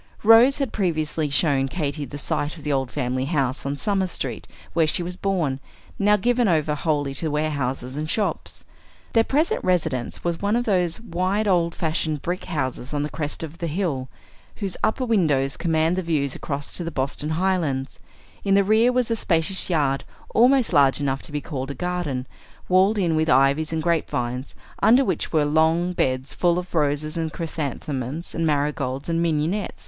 Rose had previously shown Katy the site of the old family house on Summer Street, where she was born, now given over wholly to warehouses and shops. Their present residence was one of those wide old fashioned brick houses on the crest of the hill, whose upper windows command the view across to the Boston Highlands; in the rear was a spacious yard, almost large enough to be called a garden, walled in with ivies and grapevines, under which were long beds full of roses and chrysanthemums and marigolds and mignonette.